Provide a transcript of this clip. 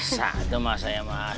sada masanya mas